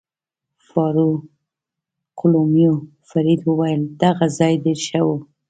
فاروقلومیو فرید وویل: دغه ځای ډېر ښه و.